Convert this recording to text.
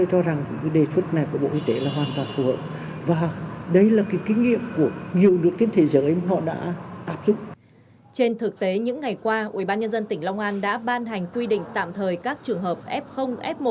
trên thực tế những ngày qua ubnd tỉnh long an đã ban hành quy định tạm thời các trường hợp f f một